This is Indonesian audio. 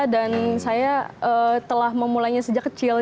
dan saya telah memulainya sejak kecil